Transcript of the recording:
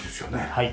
はい。